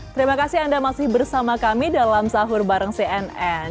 terima kasih anda masih bersama kami dalam sahur bareng cnn